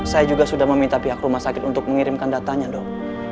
saya juga sudah meminta pihak rumah sakit untuk mengirimkan datanya dok